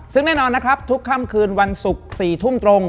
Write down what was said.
ซึ่งแน่นอนนะครับทุกค่ำคืนวันศุกร์๔ทุ่มตรง